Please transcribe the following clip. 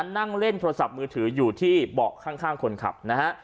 นั่งเล่นโทรศัพท์มือถืออยู่ที่เบาะข้างคนขับนะฮะ